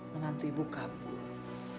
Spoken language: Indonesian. menanti ibu kabur